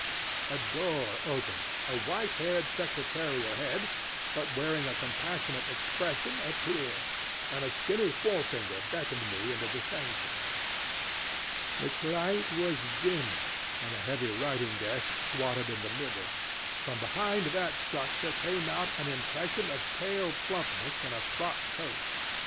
A door opened, a white haired secretarial head, but wearing a compassionate expression, appeared, and a skinny forefinger beckoned me into the sanctuary. Its light was dim, and a heavy writing desk squatted in the middle. From behind that structure came out an impression of pale plumpness in a frock coat.